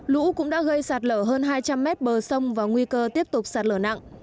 lũ cũng đã gây sạt lở hơn hai trăm linh mét bờ sông và nguy cơ tiếp tục sạt lở nặng